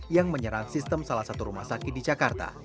yang menyerang sistem salah satu rumah sakit di jakarta